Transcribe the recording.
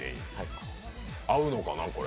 合うのかな、これ。